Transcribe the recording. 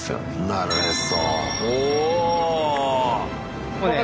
なるへそ。